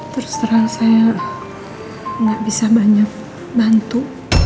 terus terang saya nggak bisa banyak bantu